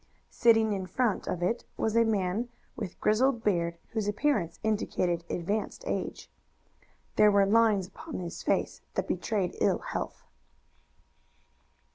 Sitting in front of it was a man with grizzled beard whose appearance indicated advanced age. There were lines upon his face that betrayed ill health.